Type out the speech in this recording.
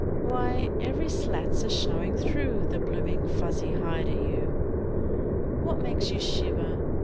Wye, every slat's a showin' through The bloomin' fuzzy hide o' you. What makes you shiver?